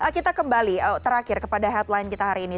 kita kembali terakhir kepada headline kita hari ini